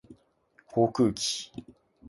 航空機